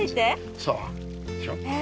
そう。